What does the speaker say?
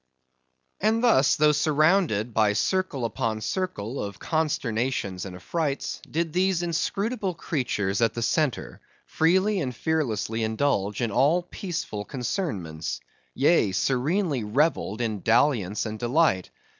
And thus, though surrounded by circle upon circle of consternations and affrights, did these inscrutable creatures at the centre freely and fearlessly indulge in all peaceful concernments; yea, serenely revelled in dalliance and delight.